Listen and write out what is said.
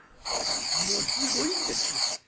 もうすごいんですよ。